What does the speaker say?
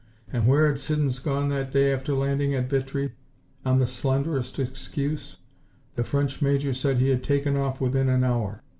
And where had Siddons gone that day after landing at Vitry on the slenderest excuse? The French Major said he had taken off within an hour.